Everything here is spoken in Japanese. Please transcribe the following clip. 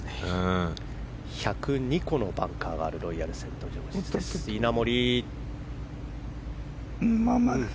１０２個のバンカーがあるロイヤルセントジョージズです。